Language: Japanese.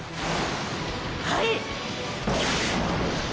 はい！！